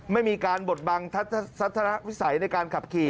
ไม่มีการบดบังสันวิสัยในการขับขี่